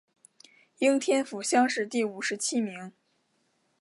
应天府乡试第五十七名。